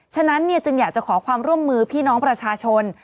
ฉะนั้นจึงอยากจะขอความร่วมมือพี่น้องประชาชน